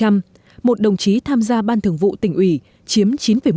một đồng chí tham gia ban thường vụ tỉnh ủy chiếm chín một